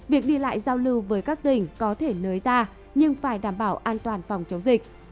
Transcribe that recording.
việc đi lại giao lưu với các tỉnh có thể nới ra nhưng phải đảm bảo an toàn phòng chống dịch